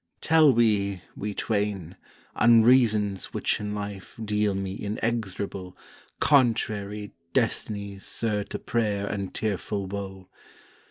Tell we, we twain, Unreasons which in life Deal me inexorable, contrary Destinies surd to prayer and tearful woe.